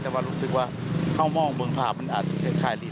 จะว่ารู้สึกว่าเข้ามองบุงทะวับมันอาจจะเป็นไคดี